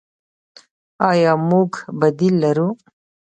آیا موږ بدیل لرو؟